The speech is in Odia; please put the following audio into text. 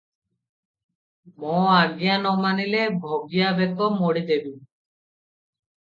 ମୋ ଆଜ୍ଞା ନ ମାନିଲେ ଭଗିଆ ବେକ ମୋଡ଼ିଦେବି ।